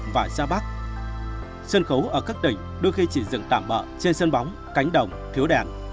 và xa bắc sân khấu ở các tỉnh đôi khi chỉ dừng tạm bỡ trên sân bóng cánh đồng thiếu đèn